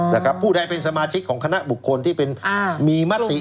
นะครับผู้ใดเป็นสมาชิกของคณะบุคคลที่เป็นอ่ามีมติ